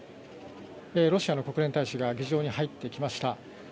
ロシアの国連大使が議場に入ってきました。